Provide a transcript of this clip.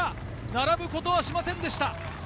並ぶことはしませんでした。